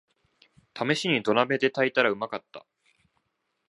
ためしに土鍋で炊いたらうまかった